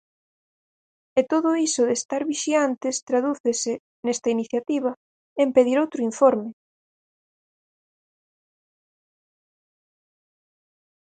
E todo iso de estar vixiantes tradúcese, nesta iniciativa, en pedir outro informe.